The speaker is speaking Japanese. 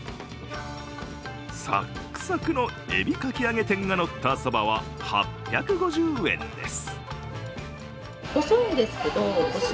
サクサクの海老かき揚げ天がのったそばは８５０円です。